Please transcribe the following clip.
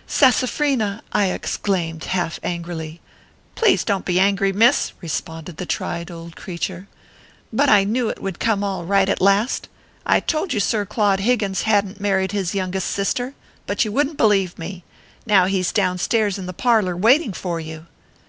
" Sassafrina !" I exclaimed, half angrily. 72 ORPHEUS C. KERR PAPERS. " Please don t be angry, miss/ responded the tried old creature ; u but I knew it would come all right at last. I told you Sir Claude Higgins hadn t mar ried his youngest sister, but you wouldn t believe me. Now he s down stairs in the parlor waiting for you."